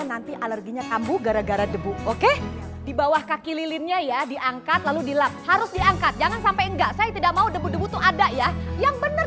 jangan sampe debunya tuh pada keluar